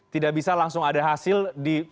tidak bisa langsung ada hasil